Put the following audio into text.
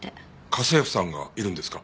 家政婦さんがいるんですか？